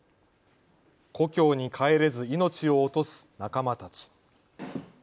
故郷に帰れず命を落とす仲間たち。